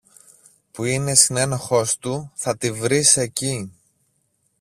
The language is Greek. που είναι συνένοχος του, θα τη βρεις εκεί.